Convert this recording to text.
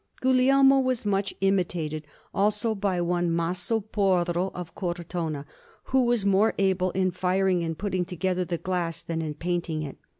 Guglielmo was much imitated, also, by one Maso Porro of Cortona, who was more able in firing and putting together the glass than in painting it.